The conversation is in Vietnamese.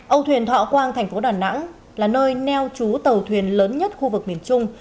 âu thuyền thọ quang thành phố đà nẵng là nơi neo trú tàu thuyền lớn nhất khu vực miền trung